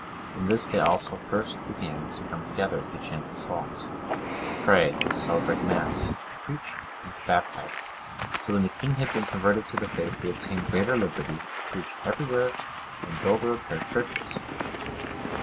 In this they also first began to come together, to chant the Psalms, to pray, to celebrate Mass, to preach, and to baptize, till when the king had been converted to the faith, they obtained greater liberty to preach everywhere and build or repair churches.